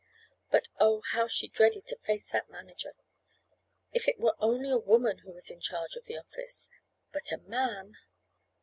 But, oh, how she dreaded to face that manager! If it were only a woman who was in charge of the office, but a man!